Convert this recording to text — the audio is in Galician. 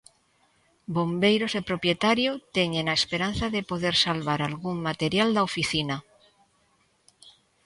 Bombeiros e propietario teñen a esperanza de poder salvar algún material da oficina.